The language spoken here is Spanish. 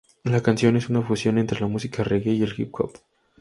La canción es una fusión entre la música reggae y el hip hop.